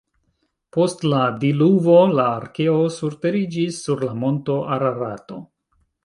Post la diluvo la arkeo surteriĝis sur la monto Ararato.